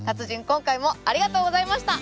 今回もありがとうございました。